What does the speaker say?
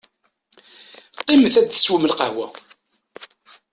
Qqimet ad teswem lqahwa.